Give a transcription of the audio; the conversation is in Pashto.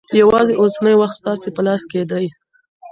یوازې اوسنی وخت ستاسې په لاس کې دی.